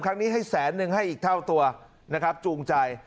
ครั้งนี้ให้แสนนึงให้อีกเท่าตัวนะครับจูงใจ